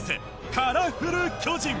カラフル巨人！